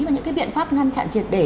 và những cái biện pháp ngăn chặn triệt để